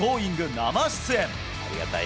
生出演。